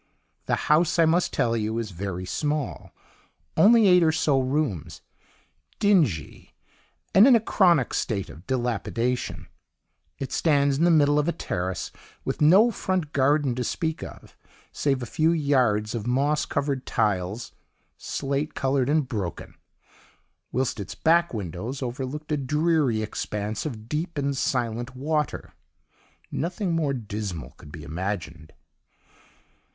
"The house, I must tell you, is very small (only eight or so rooms), dingy, and in a chronic state of dilapidation; it stands in the middle of a terrace with no front garden to speak of, save a few yards of moss covered tiles, slate coloured and broken, whilst its back windows overlooked a dreary expanse of deep and silent water. Nothing more dismal could be imagined.